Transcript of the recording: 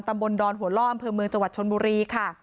ตำบลดอนหัวล่ออำเภอเมืองจังหวัดชนบุรีค่ะ